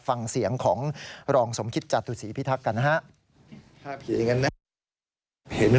ฟังเสียงของรองสมคิตจตุศีพิทักษ์กันนะฮะ